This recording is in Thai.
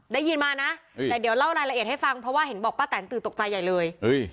ได้ยินมานะแต่เดี๋ยวเล่ารายละเอียดให้ฟังเพราะว่าเห็นบอกป้าแตนตื่นตกใจใหญ่เลย